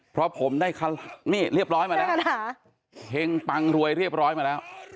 เพราะผมได้คันนี่เรียบร้อยมาแล้วได้คันหาเห็งปังรวยเรียบร้อยมาแล้ว